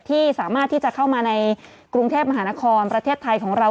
ที่สามารถที่จะเข้ามาในกรุงเทพมหานครประเทศไทยของเรา